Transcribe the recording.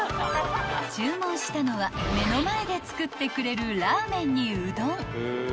［注文したのは目の前で作ってくれるラーメンにうどん］